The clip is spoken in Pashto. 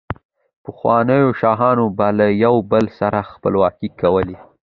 پخوانو شاهانو به له يو بل سره خپلوۍ کولې،